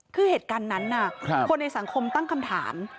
คือเหตุการณ์นั้นคนในสังคมตั้งคำถาม